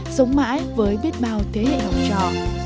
sống mãi với biết bao thế hệ học trò